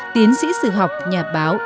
tiến sĩ sử học nhà báo